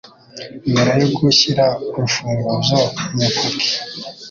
mbere yo gushyira urufunguzo mu ntoki